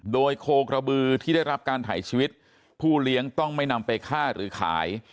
โดยโคกระบือที่ได้รับการถ่ายชีวิตผู้เลี้ยงต้องไม่นำไปฆ่าหรือขาย